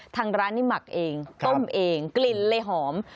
ทางร้านนี้หมักเองต้มเองกลิ่นเลยหอม